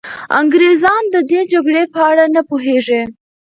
انګریزان د دې جګړې په اړه نه پوهېږي.